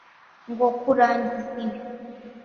Ngomba kurangiza ibi.